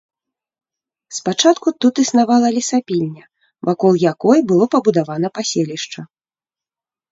Спачатку тут існавала лесапільня, вакол якой было пабудавана паселішча.